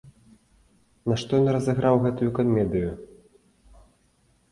Нашто ён разыграў гэтую камедыю?